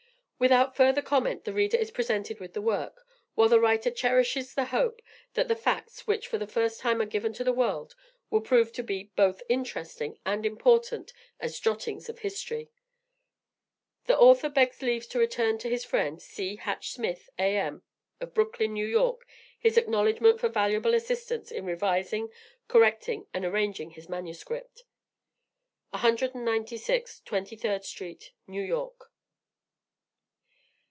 Without further comment, the reader is presented with the work, while the writer cherishes the hope, that the facts, which for the first time are given to the world, will prove to be both interesting and important as jottings of history. The author begs leave to return to his friend, C. HATCH SMITH, A.M., of Brooklyn, New York, his acknowledgment for valuable assistance in revising, correcting and arranging his manuscript. 196 Twenty third street, New York.